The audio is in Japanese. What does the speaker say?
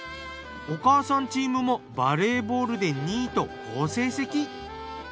お母さんチームもバレーボールで２位と好成績。